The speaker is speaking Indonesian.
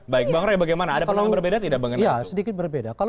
baik bang roy bagaimana ada perbedaan tidak